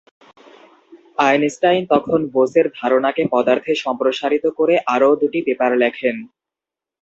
Einstein তখন বোসের ধারণাকে পদার্থে সম্প্রসারিত করে আরও দুটি পেপার লেখেন।